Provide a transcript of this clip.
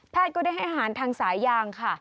ก็ได้ให้อาหารทางสายยางค่ะ